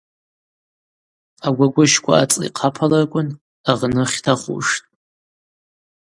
Агвагвыщква ацӏла йхъапалырквын, агъны хьтахуштӏ.